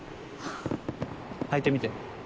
履いてみて。